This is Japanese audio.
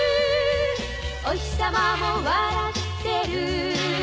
「おひさまも笑ってる」